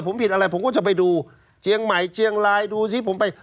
ผมผิดอะไรผมก็จะไปดูเชียงใหม่เชียงรายดูสิผมไป